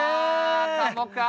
「かも」か。